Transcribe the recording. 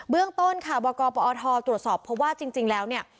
เรื่องต้นค่ะบกปอทตรวจสอบเพราะว่าจริงแล้วเนี่ย